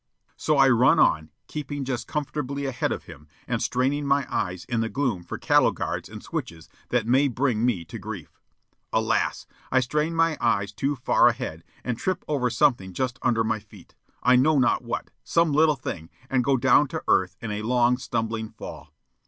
So I run on, keeping just comfortably ahead of him and straining my eyes in the gloom for cattle guards and switches that may bring me to grief. Alas! I strain my eyes too far ahead, and trip over something just under my feet, I know not what, some little thing, and go down to earth in a long, stumbling fall.